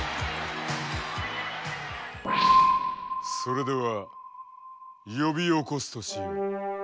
それでは呼び起こすとしよう。